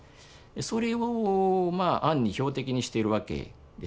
それを暗に標的にしているわけですね。